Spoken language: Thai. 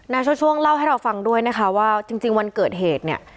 ช่วงเล่าให้เราฟังด้วยนะคะว่าจริงวันเกิดเหตุเนี่ย